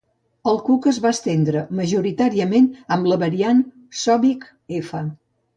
El cuc es va estendre majoritàriament amb la variant "Sobig.F".